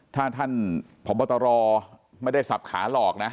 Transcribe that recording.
ถ้าท่านพตไม่ได้ศัพท์ขาหลอกนะ